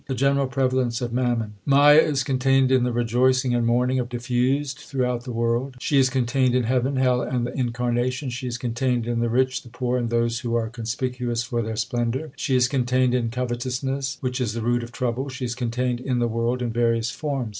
The general prevalence of mammon : Maya is contained in the rejoicing and mourning diffused throughout the world ; She is contained in heaven, hell, and the incarnations ; She is contained in the rich, the poor, and those who are conspicuous for their splendour ; She is contained in covetousness which is the root of trouble ; She is contained in the world in various forms.